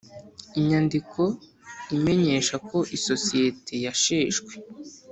inyandiko imenyesha ko isosiyete yasheshwe